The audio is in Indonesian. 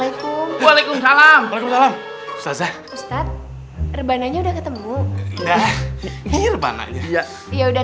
emang isinya rebana udah gak bakalan salah saya mah